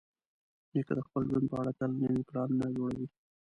نیکه د خپل ژوند په اړه تل نوي پلانونه جوړوي.